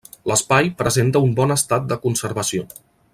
L'espai presenta un bon estat de conservació.